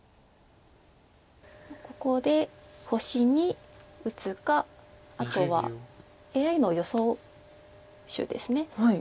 ここで星に打つかあとはＡＩの予想手です。